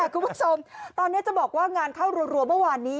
คุณผู้ชมตอนนี้จะบอกว่างานเข้ารัวเมื่อวานนี้